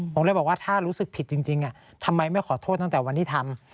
ผมเลยบอกว่าถ้ารู้สึกผิดจริงทำไมไม่ขอโทษตั้งแต่วันที่ทำ